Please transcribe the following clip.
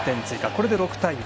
これで６対０。